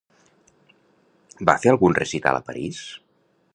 Va fer algun recital a París?